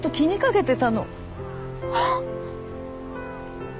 あっ。